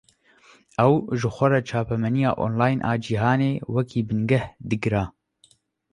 Ew, ji xwe re çapemeniya online a cîhanê, wekî bingeh digre